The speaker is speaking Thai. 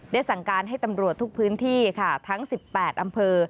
สั่งการให้ตำรวจทุกพื้นที่ค่ะทั้ง๑๘อำเภอ